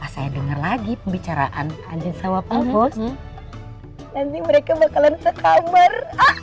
saya dengar lagi pembicaraan angin sawah pak bos nanti mereka bakalan sekabar